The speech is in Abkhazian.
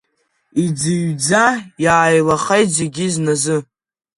Иӡыҩӡа иааилахеит зегьы зназы.